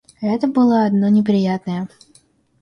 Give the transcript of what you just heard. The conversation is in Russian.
Это было одно неприятное.